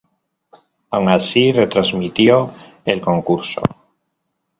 Aun así, retransmitió el concurso.